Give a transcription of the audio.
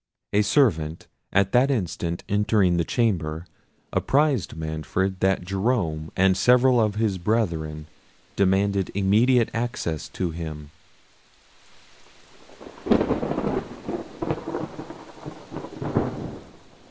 A servant at that instant entering the chamber apprised Manfred that Jerome and several of his brethren demanded immediate access to him.